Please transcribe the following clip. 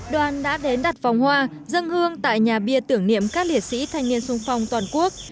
đoàn đã đến đặt vòng hoa dân hương tại nhà bia tưởng niệm các liệt sĩ thanh niên sung phong toàn quốc